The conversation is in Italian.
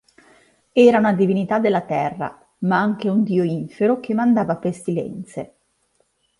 Era una divinità della terra, ma anche un dio infero che mandava pestilenze.